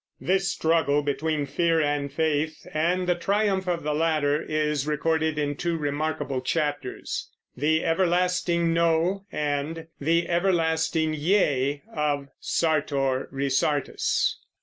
This struggle between fear and faith, and the triumph of the latter, is recorded in two remarkable chapters, "The Everlasting No" and "The Everlasting Yea," of Sartor Resartus.